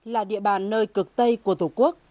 là địa bàn nơi cực tây của tổ quốc